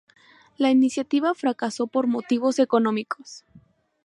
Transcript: La iniciativa fracasó por motivos económicos.